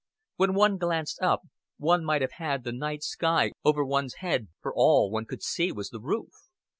When one glanced up one might have had the night sky over one's head, for all one could see of the roof.